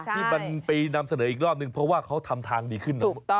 ที่มันไปนำเสนออีกรอบนึงเพราะว่าเขาทำทางดีขึ้น